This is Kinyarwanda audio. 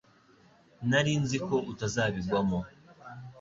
Nari nzi ko utazabigwamo